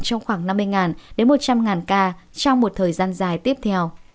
trong khoảng năm mươi đến một trăm linh ca trong một thời gian dài tiếp theo